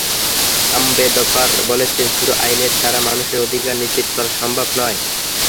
আম্বেদকর বলেছেন, শুধু আইনের দ্বারা মানুষের অধিকার নিশ্চিত করা সম্ভব নয়।